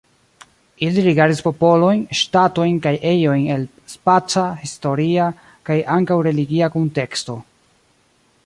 Ili rigardis popolojn, ŝtatojn kaj ejojn el spaca, historia kaj ankaŭ religia kunteksto.